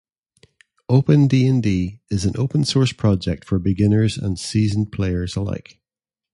OpenDnD is an open source project for beginners and seasoned players alike;